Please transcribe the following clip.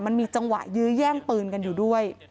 มันมีจังหวะยื้อแย่งปืนกันอยู่ด้วย